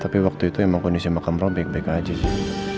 tapi waktu itu emang kondisi makam rom baik baik aja sih